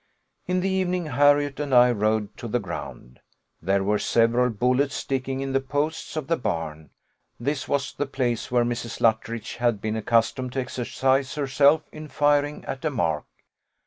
In the evening, Harriot and I rode to the ground. There were several bullets sticking in the posts of the barn: this was the place where Mrs. Luttridge had been accustomed to exercise herself in firing at a mark.